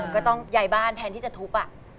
ก็ต้องย้ายบ้านแทนที่จะทุบ